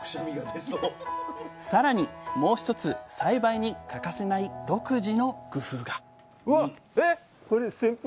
さらにもう一つ栽培に欠かせない独自の工夫が！